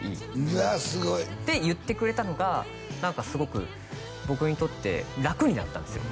うわっすごい！って言ってくれたのが何かすごく僕にとって楽になったんですよ